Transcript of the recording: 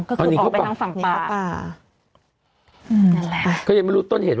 ก็คือออกไปทางฝั่งป่านี่คือป่านั่นแหละ